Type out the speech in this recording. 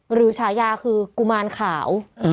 หรือชายาคือกุมานขาว